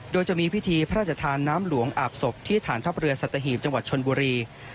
โดยจะมีพิธีพระราชทานน้ำหลวงอาบศพที่ฐานทัพเรือสัตหีบจังหวัดชนบุรี